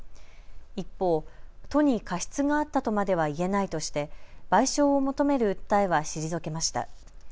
一方、都に過失があったとまではいえないとして賠償を求める訴えは退けました。